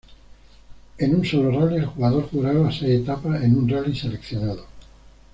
En un solo rally, el jugador jugará las seis etapas en un rally seleccionado.